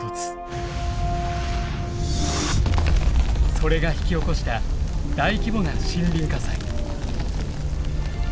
それが引き起こした大規模な森林火災。